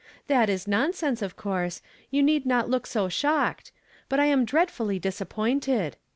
That is nonsense, of course; you need not look so shocked; but I am dreadfully disap pointed.